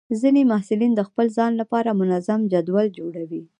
ځینې محصلین د خپل ځان لپاره منظم جدول جوړوي.